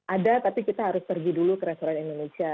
ada tapi kita harus pergi dulu ke restoran indonesia